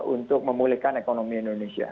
untuk memulihkan ekonomi indonesia